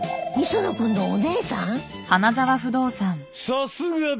さすがだ！